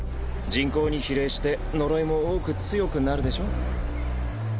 人口に比例して呪いも多く強くなるでしょ？